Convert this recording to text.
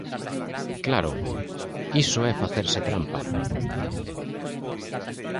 Claro, iso é facerse trampa.